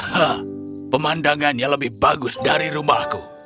haaah pemandangan yang lebih bagus dari rumahku